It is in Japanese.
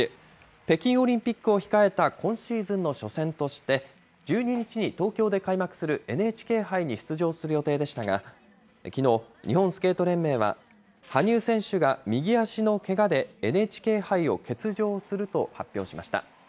北京オリンピックを控えた今シーズンの初戦として、１２日に東京で開幕するＮＨＫ杯に出場する予定でしたが、きのう、日本スケート連盟は、羽生選手が右足のけがでＮＨＫ杯を欠場すると発表しました。